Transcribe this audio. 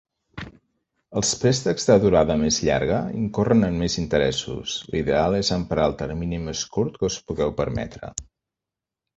Els préstecs de durada més llarga incorren en més interessos, l'ideal és emprar el termini més curt que us pugueu permetre.